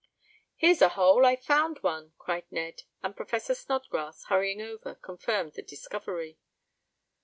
"Here's a hole I've found one!" cried Ned, and Professor Snodgrass, hurrying over, confirmed the discovery.